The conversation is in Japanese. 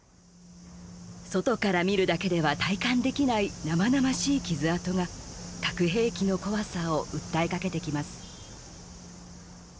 外から見るだけでは体感できない生々しい傷痕が核兵器の怖さを訴えかけてきます。